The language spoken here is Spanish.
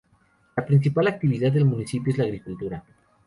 La principal actividad del municipio es la agricultura.